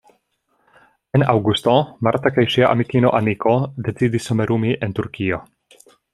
En aŭgusto Marta kaj ŝia amikino Aniko decidis somerumi en Turkio.